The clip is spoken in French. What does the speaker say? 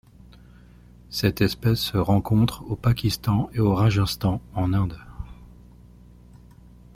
Cette espèce se rencontre au Pakistan et au Rajasthan en Inde.